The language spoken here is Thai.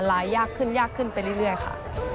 ลายยากขึ้นไปเรื่อยค่ะ